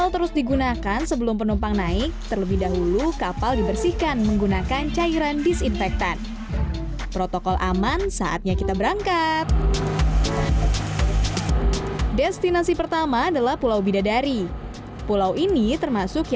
terima kasih bapak